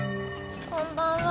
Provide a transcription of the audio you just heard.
こんばんは。